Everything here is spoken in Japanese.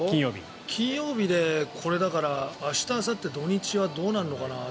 金曜日でこれだから明日あさって土日だからどうなるのかな。